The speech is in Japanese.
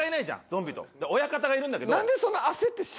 ゾンビと。で親方がいるんだけど。